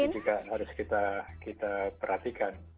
ini juga harus kita perhatikan